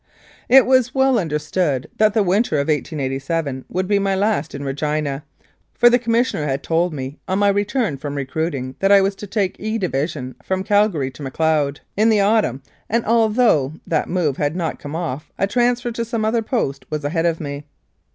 It was well understood that the winter of 1887 would be my last in Regina, for the Commissioner had told me on my return from recruiting that I was to take " E " Division, from Calgary to Macleod, in the autumn, and, although that move had not come off, a transfer to some other post was ahead of me.